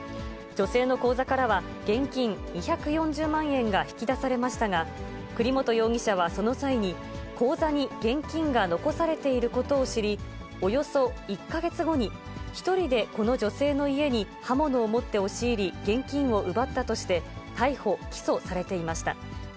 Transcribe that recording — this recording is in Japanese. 女性の口座からは現金２４０万円が引き出されましたが、栗本容疑者はその際に、口座に現金が残されていることを知り、およそ１か月後に１人でこの女性の家に刃物を持って押し入り、現金を奪ったとして、逮捕・起訴されていました。